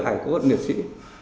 hải quân niệm sĩ